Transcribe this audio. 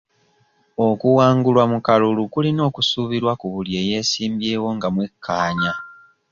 Okuwangulwa mu kalulu kulina okusuubirwa ku buli eyeesimbyewo nga mwekkaanya